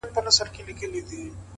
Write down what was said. د خاموش پرمختګ اغېز تل پاتې وي